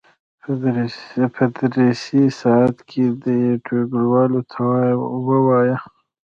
په درسي ساعت کې دې ټولګیوالو ته ووایي.